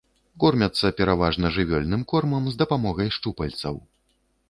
Кормяцца пераважна жывёльным кормам, з дапамогай шчупальцаў.